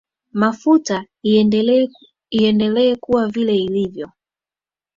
mafuta iendelee kuwa vile ilivyo